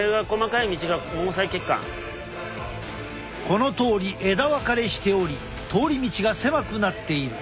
このとおり枝分かれしており通り道が狭くなっている。